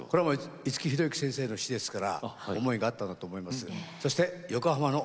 五木寛之先生の詞ですから思いがあったんだと思います。